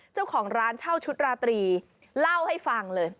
เจ้าของร้านเช่าชุดราตรีเล่าให้ฟังเลย